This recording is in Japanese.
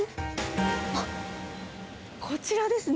あっ、こちらですね。